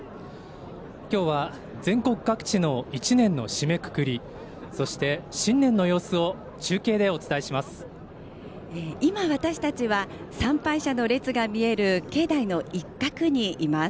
今日は全国各地の一年の締めくくりそして、新年の様子を中継でお伝えします。